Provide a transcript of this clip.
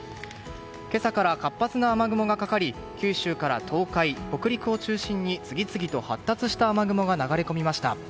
今朝から活発な雨雲がかかり九州から東海、北陸を中心に次々と発達した雨雲が流れ込みました。